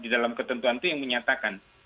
di dalam ketentuan itu yang menyatakan